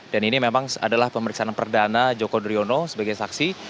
dan ini memang adalah pemeriksaan perdana joko driono sebagai saksi